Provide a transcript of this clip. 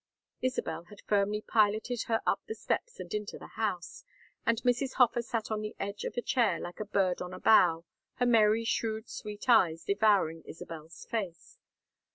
Isabel had firmly piloted her up the steps and into the house, and Mrs. Hofer sat on the edge of a chair like a bird on a bough, her merry shrewd sweet eyes devouring Isabel's face.